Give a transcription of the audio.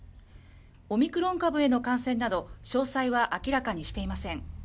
オミクロン株への感染など、詳細は明らかにしていません。